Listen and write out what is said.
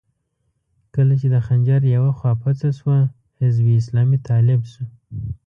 کله چې د خنجر يوه خوا پڅه شوه، حزب اسلامي طالب شو.